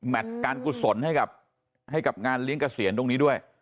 การกุศลให้กับงานเลี้ยงเกษียณตรงนี้ด้วย